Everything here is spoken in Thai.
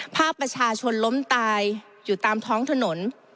ภาพประชาชนล้มตายอยู่ตามท้องถนน